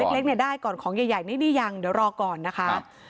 เล็กเนี่ยได้ก่อนของใหญ่นี่ยังเดี๋ยวรอก่อนนะคะ